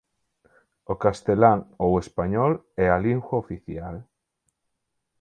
O castelán ou español é a lingua oficial.